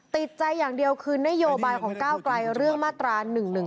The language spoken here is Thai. ติดใจอย่างเดียวคือนโยบายของก้าวไกลเรื่องมาตรา๑๑๒